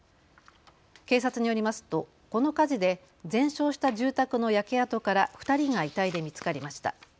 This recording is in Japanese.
警察によりますと、この火事で全焼した住宅の焼け跡から２人が遺体で見つかりました。